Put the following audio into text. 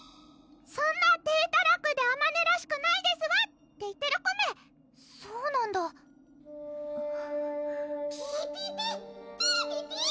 そんなていたらくであまねらしくないですわ！って言ってるコメそうなんだピピピ！